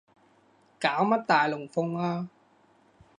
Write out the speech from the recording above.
搞乜大龍鳳啊